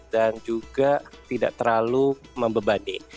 dan juga tidak terlalu membebani